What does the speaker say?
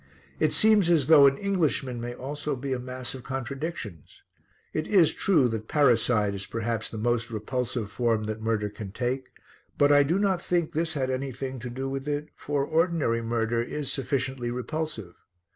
It seems as though an Englishman may also be a mass of contradictions. It is true that parricide is perhaps the most repulsive form that murder can take, but I do not think this had anything to do with it, for ordinary murder is sufficiently repulsive.